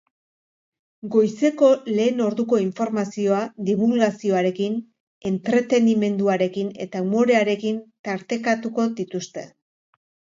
Goizeko lehen orduko informazioa dibulgazioarekin, entretenimenduarekin eta umorearekin tartekatuko dituzte.